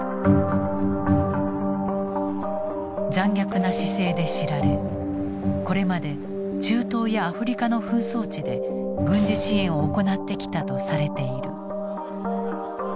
残虐な姿勢で知られこれまで中東やアフリカの紛争地で軍事支援を行ってきたとされている。